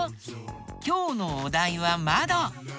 きょうのおだいは「まど」。